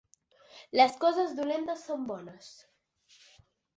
Les coses dolentes són bones.